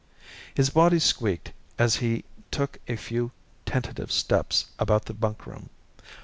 His body squeaked as he took a few tentative steps about the bunkroom.